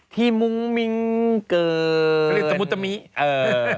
ที่มุ้งมิ้งเกิน